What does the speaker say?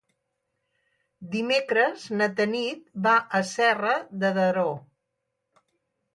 Dimecres na Tanit va a Serra de Daró.